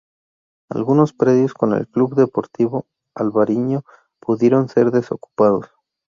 Algunos predios como el Club Deportivo Albariño pudieron ser desocupados.